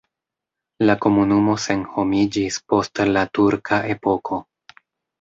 La komunumo senhomiĝis post la turka epoko.